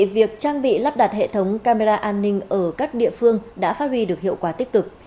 việc trang bị lắp đặt hệ thống camera an ninh ở các địa phương đã phát huy được hiệu quả tích cực